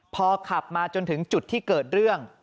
พอขับมาจนถึงจุดที่เกิดเรื่อง